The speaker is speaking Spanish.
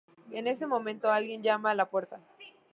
En ese momento alguien llama a la puerta.